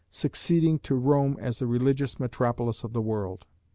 succeeding to Rome as the religious metropolis of the world.